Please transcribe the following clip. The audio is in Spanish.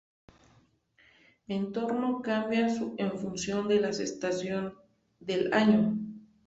El entorno cambia en función de la estación del año.